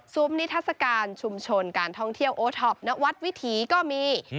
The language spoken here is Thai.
นิทัศกาลชุมชนการท่องเที่ยวโอท็อปณวัดวิถีก็มี